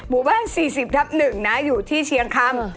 หมู่บ้าน๔๐ทับ๑นะอยู่ที่เชียงคำ